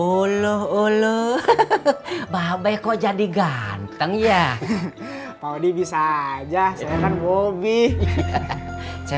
oloh oloh babay kok jadi ganteng ya paudi bisa aja seneng bobby